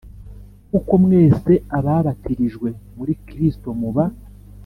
kuko mwese ababatirijwe muri Kristo muba